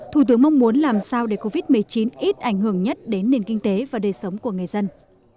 thủ tướng mong muốn làm sao để covid một mươi chín ít ảnh hưởng nhất đến nền kinh tế và đời sống của người dân